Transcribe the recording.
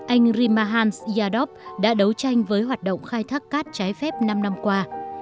anh rimahans yadop đã đấu tranh với hoạt động khai thác cát trái phép năm năm qua